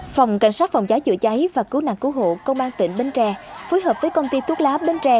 phòng cảnh sát phòng cháy chữa cháy và cứu nạn cứu hộ công an tỉnh bến tre phối hợp với công ty thuốc lá bến tre